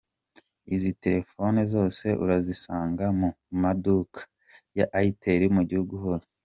Izi telefone zose urazisanga mu maduka ya itel mugihugu hose.